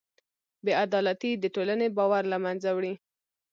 بېعدالتي د ټولنې باور له منځه وړي.